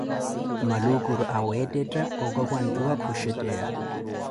maluukuro aweettetta okwakwanttuwa ku shetteya.